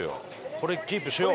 これキープしよう！